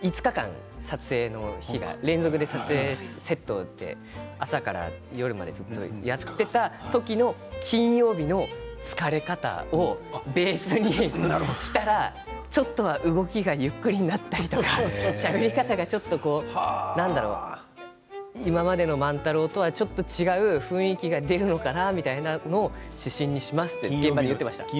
５日間撮影の日連続で撮影、セットで朝から夜までずっとやっていた時の金曜日の疲れ方をベースにしたらちょっとは動きがゆっくりになったりしゃべり方がちょっと何だろう、今までの万太郎とはちょっと違う雰囲気が出るのかなというのを指針にしますと、現場で言っていました。